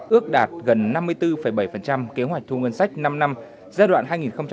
ước đạt gần năm mươi bốn bảy kế hoạch thu ngân sách năm năm giai đoạn hai nghìn một mươi sáu hai nghìn hai mươi